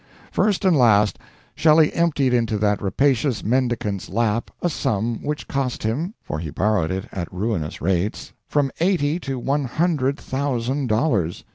First and last, Shelley emptied into that rapacious mendicant's lap a sum which cost him for he borrowed it at ruinous rates from eighty to one hundred thousand dollars.